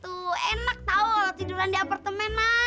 t margin kaya mungkin ya eliminates paham ya ya